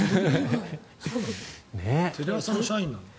テレ朝の社員なのに。